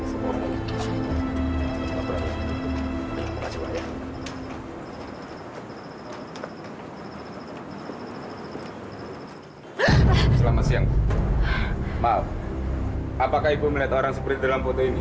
selamat siang maaf apakah ibu melihat orang seperti dalam foto ini